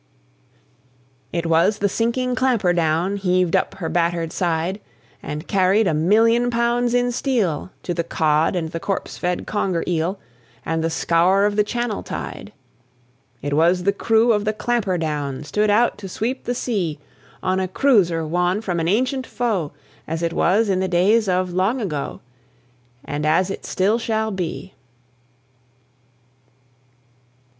It was the sinking Clampherdown Heaved up her battered side And carried a million pounds in steel, To the cod and the corpse fed conger eel, And the scour of the Channel tide. It was the crew of the Clampherdown Stood out to sweep the sea, On a cruiser won from an ancient foe, As it was in the days of long ago, And as it still shall be.